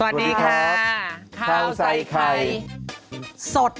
สวัสดีค่ะคาวใส่ไข่ฮฟสวัสดีค่ะ